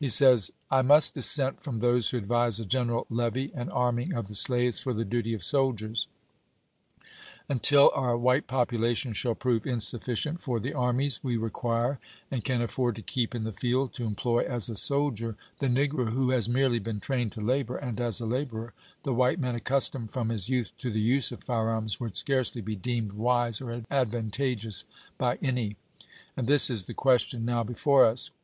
He says : I must dissent from those who advise a general levy and arming of the slaves for the duty of soldiers. Until our white population shall prove insufficient for the armies we require and can afford to keep in the field, to employ as a soldier the negro, who has merely been trained to labor, and as a laborer, — the white man accustomed from his youth to the use of firearms, — would scarcely be deemed wise or advantageous by any ; and this is the question now Annual before us.